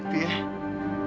gak usah nangis